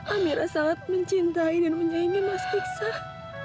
amira sangat mencintai dan menyaingi mas piksa